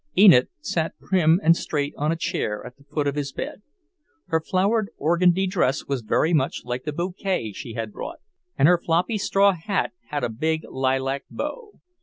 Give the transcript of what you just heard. Enid sat prim and straight on a chair at the foot of his bed. Her flowered organdie dress was very much like the bouquet she had brought, and her floppy straw hat had a big lilac bow.